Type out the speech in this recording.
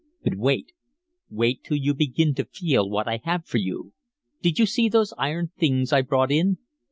But wait wait till you begin to feel what I have for you. Did you see those iron things I brought in?